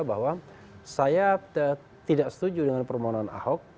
bahwa saya tidak setuju dengan permohonan ahok